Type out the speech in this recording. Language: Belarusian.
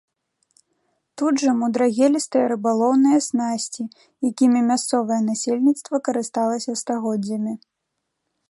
Тут жа мудрагелістыя рыбалоўныя снасці, якімі мясцовае насельніцтва карысталася стагоддзямі.